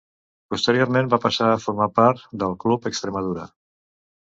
Posteriorment va passar a formar part del Club Extremadura.